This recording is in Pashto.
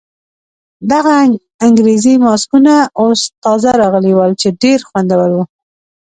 دغه انګریزي ماسکونه اوس تازه راغلي ول چې ډېر خوندور وو.